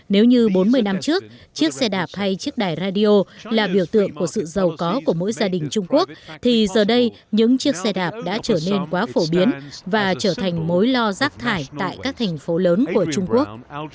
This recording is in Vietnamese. nếu như bốn mươi năm trước chiếc xe đạp hay chiếc đải radio là biểu tượng của sự giàu có của mỗi gia đình trung quốc thì giờ đây những chiếc xe đạp đã trở nên quá phổ biến và trở thành mối lo rác thải tại các thành phố lớn của trung quốc